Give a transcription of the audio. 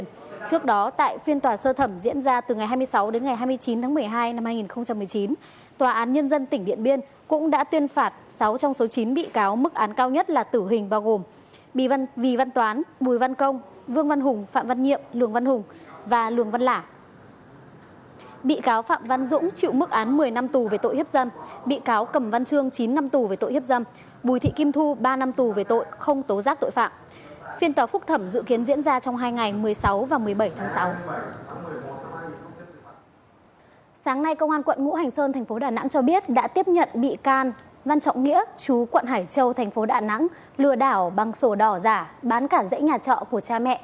lừa đảo bằng sổ đỏ giả bán cả dãy nhà trọ của cha mẹ từ đội truy nã tội phạm phòng cảnh sát hình sự công an tp đà nẵng để tiếp tục thụ lý điều tra